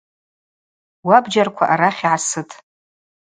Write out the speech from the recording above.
Уабджьарква арахь йгӏасыт.